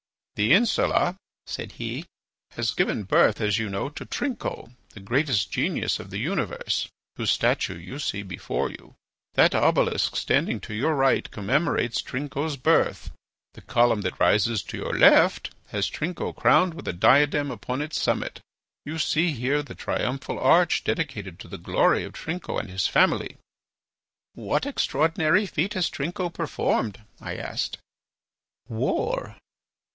"The insula," said he, "has given birth, as you know, to Trinco, the greatest genius of the universe, whose statue you see before you. That obelisk standing to your right commemorates Trinco's birth; the column that rises to your left has Trinco crowned with a diadem upon its summit. You see here the triumphal arch dedicated to the glory of Trinco and his family." "What extraordinary feat has Trinco performed?" I asked. "War."